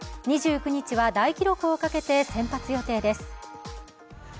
２９日は、大記録をかけて先発予定です。